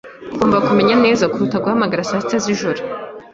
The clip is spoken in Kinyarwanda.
Ugomba kumenya neza kuruta guhamagara saa sita z'ijoro.